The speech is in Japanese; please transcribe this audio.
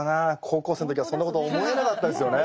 高校生の時はそんなこと思えなかったですよね。